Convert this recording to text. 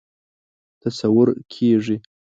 تصور کېږي.